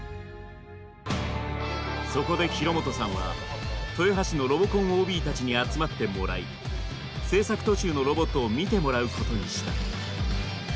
そこで廣本さんは豊橋のロボコンＯＢたちに集まってもらい製作途中のロボットを見てもらうことにした。